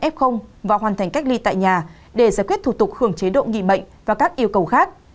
f và hoàn thành cách ly tại nhà để giải quyết thủ tục hưởng chế độ nghị bệnh và các yêu cầu khác